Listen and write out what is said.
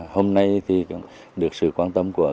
hôm nay được sự quan tâm của